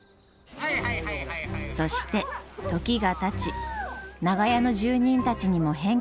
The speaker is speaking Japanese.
そして時がたち長屋の住人たちにも変化が。